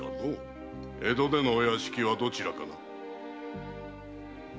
江戸でのお屋敷はどちらかな？